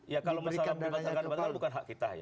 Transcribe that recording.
ya kalau dibatalkan batalkan bukan hak kita ya